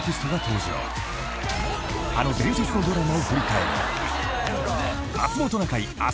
［あの伝説のドラマを振り返る］